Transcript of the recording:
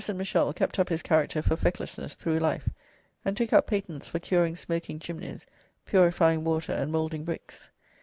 ] Alexander St. Michel kept up his character for fecklessness through life, and took out patents for curing smoking chimneys, purifying water, and moulding bricks.